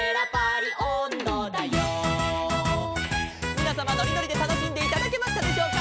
「みなさまのりのりでたのしんでいただけましたでしょうか」